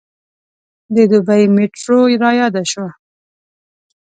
د دبۍ میټرو رایاده شوه.